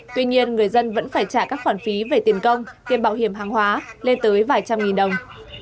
tuy nhiên người dân vẫn phải trả các khoản phí về tiền công tiền bảo hiểm hàng hóa lên tới vài trăm nghìn đồng